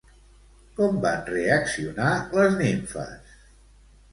Com van reaccionar les nimfes?